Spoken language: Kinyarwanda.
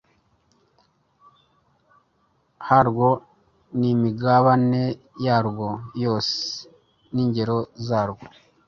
harwo n imigabane yarwo yose n ingero zarwo